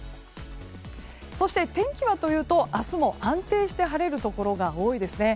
そして、天気はというと明日も安定して晴れるところが多いですね。